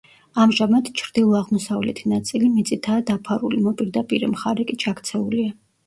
ამჟამად, ჩრდილო-აღმოსავლეთი ნაწილი მიწითაა დაფარული, მოპირდაპირე მხარე კი ჩაქცეულია.